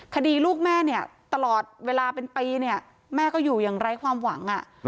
คดีลูกแม่เนี่ยตลอดเวลาเป็นปีเนี่ยแม่ก็อยู่อย่างไร้ความหวัง